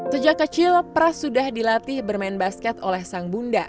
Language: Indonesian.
sejak kecil pras sudah dilatih bermain basket oleh sang bunda